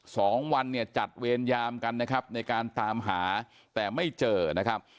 สองวันเนี่ยจัดเวรยามกันนะครับในการตามหาแต่ไม่เจอนะครับ